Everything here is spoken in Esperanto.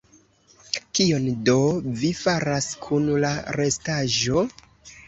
Kion do vi faras kun la restaĵo?